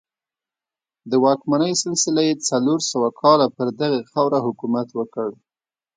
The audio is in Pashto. د واکمنۍ سلسله یې څلور سوه کاله پر دغې خاوره حکومت وکړ